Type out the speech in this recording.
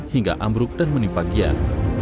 hingga ambruk dan menimpa gian